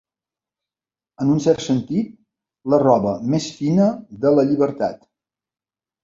En un cert sentit, la roba més fina de la llibertat.